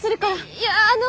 いやあの。